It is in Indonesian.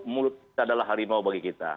mulut adalah harimau bagi kita